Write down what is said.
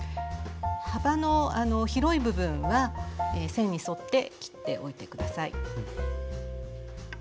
幅の広い部分は線に沿って切っておいて下さい。